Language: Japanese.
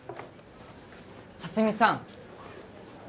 蓮見さん